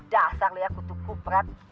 dasar liat kutubku prat